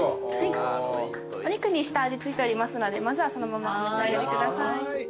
お肉に下味付いておりますのでまずはそのままお召し上がりください。